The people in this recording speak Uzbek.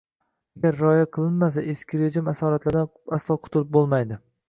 Agar rioya qilinmasa eski rejim asoratlaridan aslo qutilib bo‘lmaydi